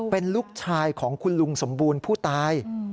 เป็นลูกชายของคุณลุงสมบูรณ์ผู้ตาย